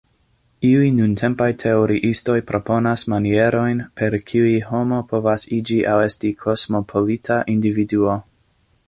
Iuj nuntempaj teoriistoj proponas manierojn, per kiuj homo povas iĝi aŭ esti kosmopolita individuo.